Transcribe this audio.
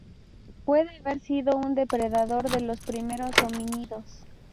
Puede haber sido un depredador de los primeros homínidos.